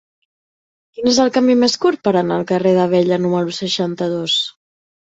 Quin és el camí més curt per anar al carrer d'Abella número seixanta-dos?